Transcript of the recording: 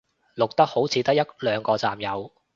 綠的好似得一兩個站有